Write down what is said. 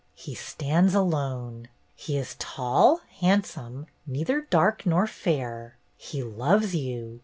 He stands alone. He is tall, handsome, neither dark nor fair. He loves you.